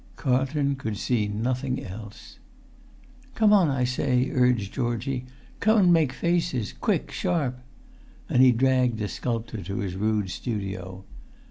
Carlton could see nothing else. "Come on, I say," urged Georgie; "come an' make faces, quick, sharp!" And he dragged the sculptor to his rude studio.